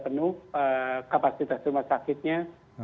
penuh kapasitas rumah sakitnya